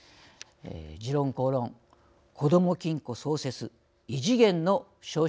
「時論公論こども金庫創設異次元の少子化対策決定」。